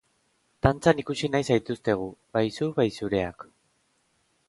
Dantzan ikusi nahi zaituztegu, bai zu bai zureak!